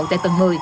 tại tầng một mươi